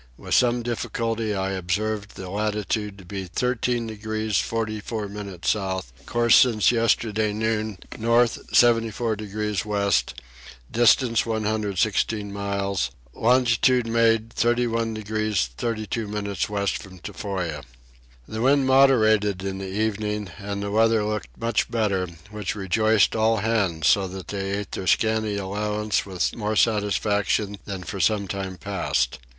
With some difficulty I observed the latitude to be 13 degrees 44 minutes south: course since yesterday noon north 74 degrees west, distance 116 miles; longitude made 31 degrees 32 minutes west from Tofoa. The wind moderated in the evening and the weather looked much better, which rejoiced all hands so that they ate their scanty allowance with more satisfaction than for some time past.